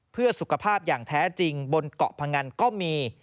เพื่อสุขภาพอย่างแท้จริงบนเกาะพงันก็มี